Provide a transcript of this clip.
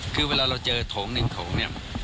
คือเวลาเราเจอโถงหนึ่งโถงเนี่ย